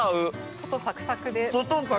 外サクサク！